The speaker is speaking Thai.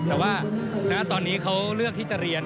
แต่ว่าตอนนี้เขาเลือกที่จะเรียน